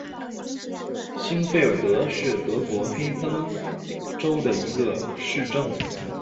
欣费尔德是德国黑森州的一个市镇。